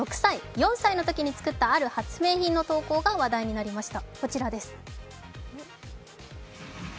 ４歳のときに作ったある発明品の投稿が話題になりました。